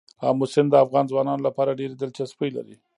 آمو سیند د افغان ځوانانو لپاره ډېره دلچسپي لري.